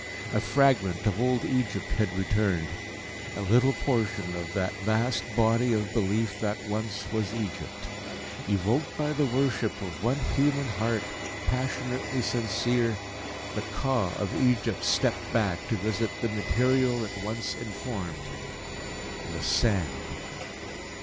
A fragment of old Egypt had returned a little portion of that vast Body of Belief that once was Egypt. Evoked by the worship of one human heart, passionately sincere, the Ka of Egypt stepped back to visit the material it once informed the Sand.